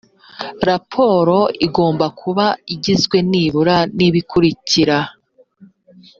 raporo igomba kuba igizwe nibura n’ibikurikira